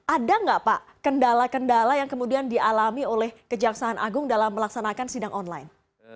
ada nggak pak kendala kendala yang kemudian dialami oleh kejaksaan agung dalam melaksanakan sidang online